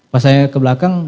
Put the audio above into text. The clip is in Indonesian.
pas saya ke belakang